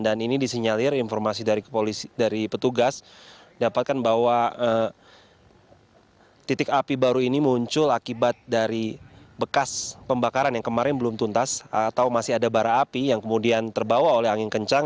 dan ini disinyalir informasi dari petugas dapatkan bahwa titik api baru ini muncul akibat dari bekas pembakaran yang kemarin belum tuntas atau masih ada bara api yang kemudian terbawa oleh angin kencang